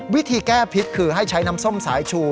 วิธีแก้พิษคือให้ใช้น้ำส้มสายชู